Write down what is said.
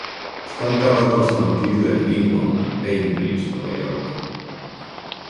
Està enterrat al cementiri de Greenlawn a Bainbridge, Nova York.